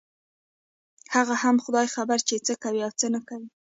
هغه هم خداى خبر چې څه کوي او څه نه کوي.